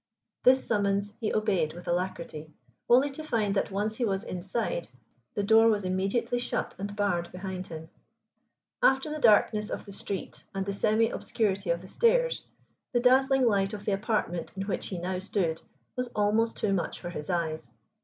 This summons he obeyed with alacrity, only to find that once he was inside, the door was immediately shut and barred behind him. After the darkness of the street and the semi obscurity of the stairs, the dazzling light of the apartment in which he now stood was almost too much for his eyes.